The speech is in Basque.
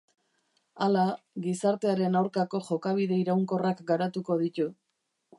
Hala, gizartearen aurkako jokabide iraunkorrak garatuko ditu.